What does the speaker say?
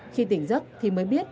khi tỉnh giấc thì mới biết